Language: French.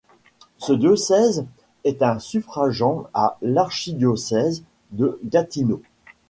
Ce diocèse est un suffragant à l'archidiocèse de Gatineau.